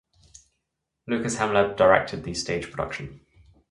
Lukas Hemleb directed the stage production.